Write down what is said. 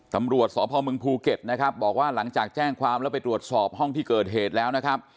ตำรวจสพมภูเก็ตนะครับบอกว่าหลังจากแจ้งความแล้วไปตรวจสอบห้องที่เกิดเหตุแล้วนะครับ